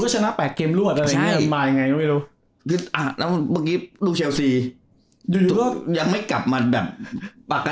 ต่อให้เปลี่ยนเป็นแฟนค์ลำบาท